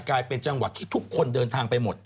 กลายเป็นจังหวัดที่ทุกคนเดินทางไปหมด